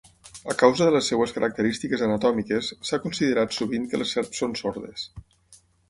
A causa de les seves característiques anatòmiques, s'ha considerat sovint que les serps són sordes.